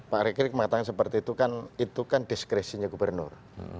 pak arikrik mengatakan seperti itu kan diskresinya gubernur